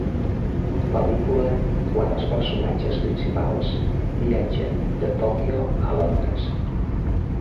Pel·lícula quan els personatges principals viatgen de Tòquio a Londres.